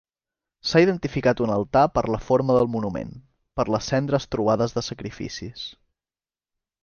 S'ha identificat un altar per la forma del monument, per les cendres trobades de sacrificis.